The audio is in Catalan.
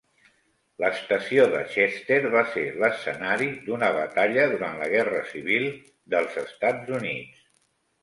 L'estació de Chester va ser l'escenari d'una batalla durant la Guerra Civil dels Estats Units.